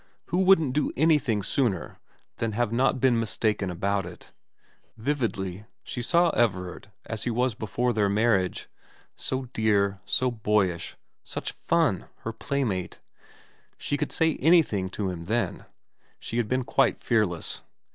Who wouldn't do anything sooner than have not been mistaken about it ? Vividly she saw Everard 244 VERA n as he was before their marriage ; so dear, so boyish, such fun, her playmate. She could say anything to him then. She had been quite fearless.